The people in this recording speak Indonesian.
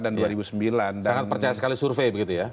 sangat percaya sekali survei begitu ya